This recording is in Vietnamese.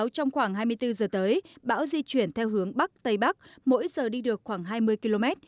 trong khoảng hai mươi bốn giờ tới bão di chuyển theo hướng bắc tây bắc mỗi giờ đi được khoảng hai mươi km